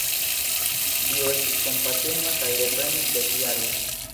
Dio estis kompatema kaj reprenis dek jarojn.